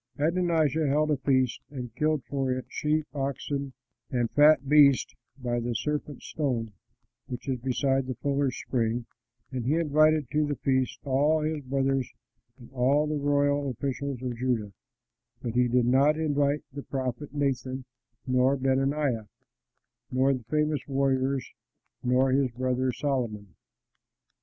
Adonijah held a feast and killed for it sheep, oxen, and fat beasts by the Serpent's Stone, which is beside the Fuller's Spring; and he invited to the feast all his brothers and all the royal officials of Judah; but he did not invite the prophet Nathan nor Benaiah nor the famous warriors nor his brother Solomon.